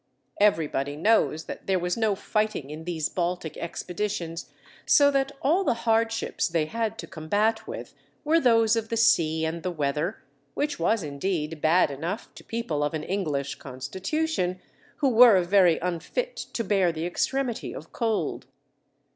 Everybody knows that there was no fighting in these Baltic expeditions, so that all the hardships they had to combat with were those of the sea and the weather, which was indeed bad enough to people of an English constitution, who were very unfit to bear the extremity of cold.